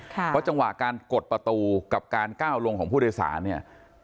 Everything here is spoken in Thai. เพราะจังหวะการกดประตูกับการก้าวลงของผู้โดยสารเนี่ย